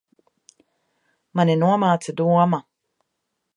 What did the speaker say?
Mani nomāca doma.